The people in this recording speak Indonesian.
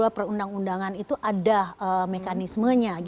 di mana perundang undangan itu ada mekanismenya